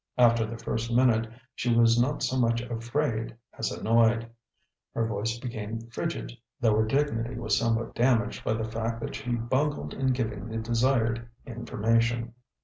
After the first minute she was not so much afraid as annoyed. Her voice became frigid, though her dignity was somewhat damaged by the fact that she bungled in giving the desired information.